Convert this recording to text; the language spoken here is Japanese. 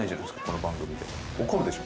この番組で怒るでしょ？